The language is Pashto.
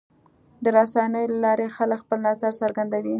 د رسنیو له لارې خلک خپل نظر څرګندوي.